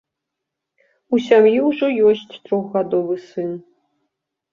У сям'і ўжо ёсць трохгадовы сын.